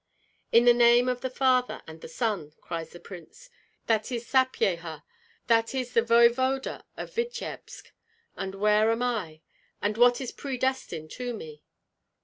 "In the name of the Father and the Son!" cries the prince, "that is Sapyeha, that is the voevoda of Vityebsk! And where am I, and what is predestined to me?"